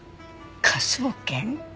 科捜研？